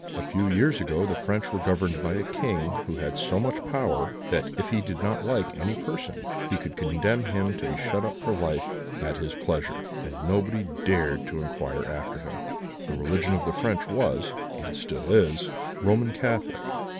A few years ago the French were governed by a king who had so much power, that, if he did not like any person, he could condemn him to be shut up for life at his pleasure, and nobody dared to inquire after him. The religion of the French was, and still is, Roman Catholic.